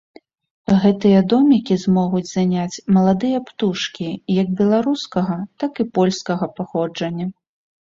Гэтыя домікі змогуць заняць маладыя птушкі як беларускага, так і польскага паходжання.